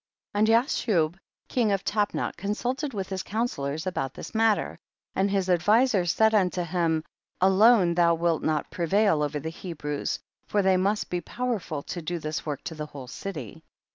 44. And Jashub, king of Tapnach, consulted with his counsellors about this matter, and his advisers said unto him, alone thou wilt not prevail over the Hebrews, for they must be powerful to do this work to the whole city.